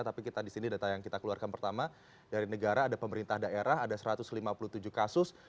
tapi kita di sini data yang kita keluarkan pertama dari negara ada pemerintah daerah ada satu ratus lima puluh tujuh kasus